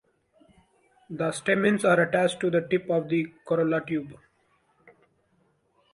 The stamens are attached to the tip of the corolla tube.